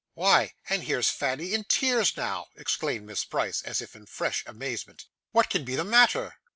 'Why, and here's Fanny in tears now!' exclaimed Miss Price, as if in fresh amazement. 'What can be the matter?